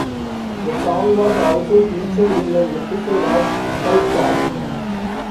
The song was also featured in an episode of "South Park".